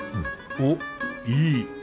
おっいい！